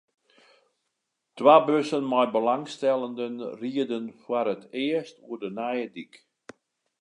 Twa bussen mei belangstellenden rieden foar it earst oer de nije dyk.